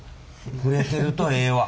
触れてるとええわ。